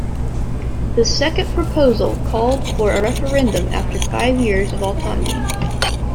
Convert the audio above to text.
The second proposal called for a referendum after five years of autonomy.